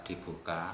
agar tidak rusak